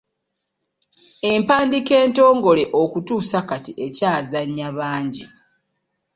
Empandiika entongole okutuusa kati ekyazannya bangi.